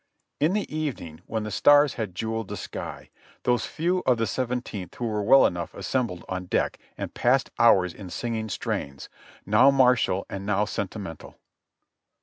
In the evening, when the stars had jeweled the sky, those few of the Seventeenth who were well enough assembled on deck and passed hours in singing strains, now martial and now sentimental.